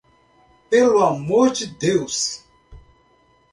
Pelo amor de Deus!